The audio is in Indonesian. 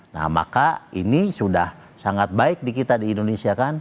nah maka ini sudah sangat baik di kita di indonesia kan